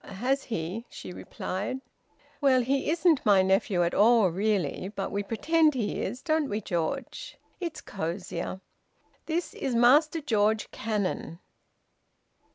"Has he?" she replied. "Well, he isn't my nephew at all really, but we pretend he is, don't we, George? It's cosier. This is Master George Cannon."